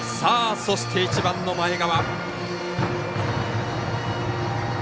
そして１番の前川。